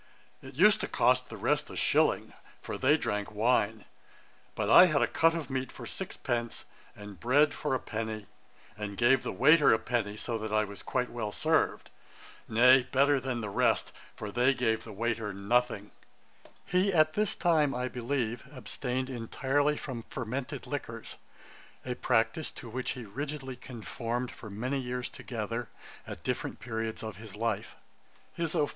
It used to cost the rest a shilling, for they drank wine; but I had a cut of meat for six pence, and bread for a penny, and gave the waiter a penny; so that I was quite well served, nay, better than the rest, for they gave the waiter nothing.' [Page 104: Abstinence from wine. A.D. 1737.] He at this time, I believe, abstained entirely from fermented liquors: a practice to which he rigidly conformed for many years together, at different periods of his life. [Page 105: An Irish Ofellus. Ætat 28.